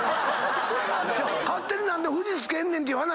勝手に何で「富士」付けんねん！っていう話。